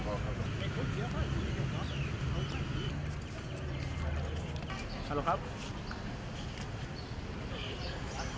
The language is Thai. หลังจากอินทรีย์ความรู้สึกสึกถึงกัน